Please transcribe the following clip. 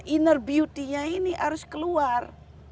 inner beauty nya ini harus keluar